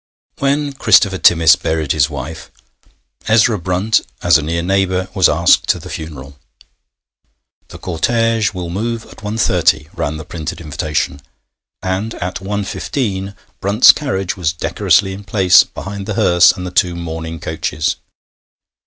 When George Christopher Timmis buried his wife, Ezra Brunt, as a near neighbour, was asked to the funeral. 'The cortège will move at 1.30,' ran the printed invitation, and at 1.15 Brunt's carriage was decorously in place behind the hearse and the two mourning coaches.